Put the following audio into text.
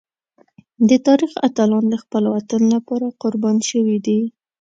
د تاریخ اتلان د خپل وطن لپاره قربان شوي دي.